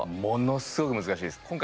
ものすごく難しいです。